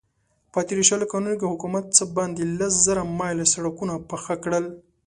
په تېرو شلو کالو کې حکومت څه باندې لس زره مايله سړکونه پاخه کړل.